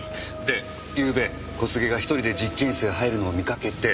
でゆうべ小菅が１人で実験室へ入るのを見かけて。